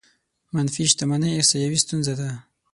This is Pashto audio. منفي شتمنۍ احصايوي ستونزه ده.